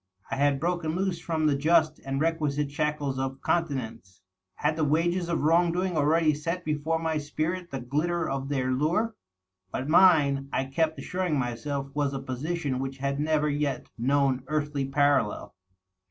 I had broken loose from the just and requisite shackles of continence. .. Had the wages of wrong doing already set before my spirit the glitter of their lure? But mine, I kept assuring myself, was a position which had never yet known earthly parallel.